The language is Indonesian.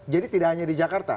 jadi tidak hanya di jakarta